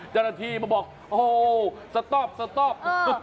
จรฐีมาบอกโอ้โฮสต๊อปสต๊อป